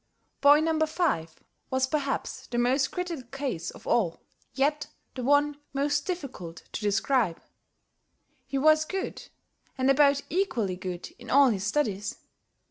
Boy No. 5 was perhaps the most critical case of all, yet the one most difficult to describe. He was good, and about equally good, in all his studies.